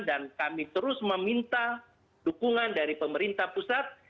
dan kami terus meminta dukungan dari pemerintah pusat